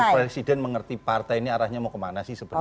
presiden mengerti partai ini arahnya mau kemana sih sebenarnya